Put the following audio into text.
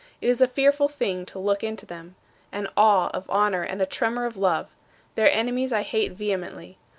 It is a fearful thing to look into them: an awe of honor and a tremor of love. Their enemies I hate vehemently.